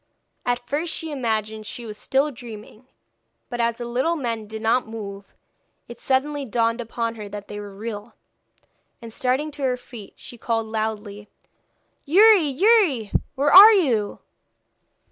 At first she imagined she was still dreaming; but as the little men did not move, it suddenly dawned upon her that they were real, and starting to her feet, she called loudly: 'Youri! Youri! Where are you?'